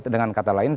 dengan kata lain